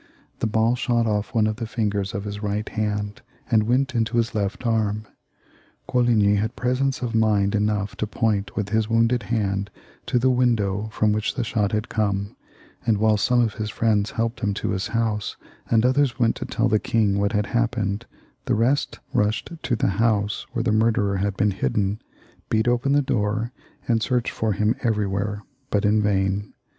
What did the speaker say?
The ball shot ofif one of the fingers of his right hand, and went into his left arm. Ooligny had presence of mind enough to point with his wounded hand to the window firom which the shot had come, and while some of his friends helped hirn to his house, and others went to tell the king what had happened, the rest rushed to the house where the murderer had been hidden, beat open the door, and searched for him every where, but in vain.